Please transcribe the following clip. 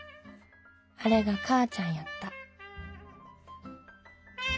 あれがかーちゃんやった」。